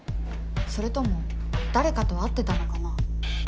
それとも誰かと会ってたのかな？